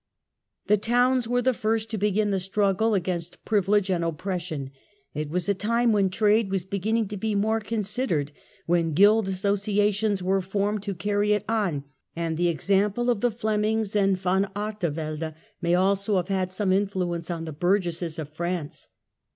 The towns were the Paris and first to begin the struggle against privilege and oppres Marcef sion. It was a time when trade was beginning to be more considered, when Guild Associations were formed to carry it on, and the example of the Flemings and Van Artevelde may also have had some influence on the burgesses of France.